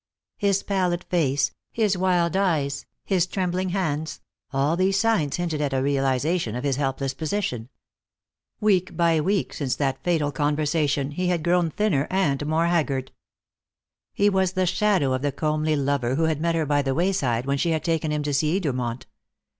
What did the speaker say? His pallid face, his wild eyes, his trembling hands all these signs hinted at a realization of his helpless position. Week by week since that fatal conversation he had grown thinner and more haggard. He was the shadow of the comely lover who had met her by the wayside when she had taken him to see Edermont.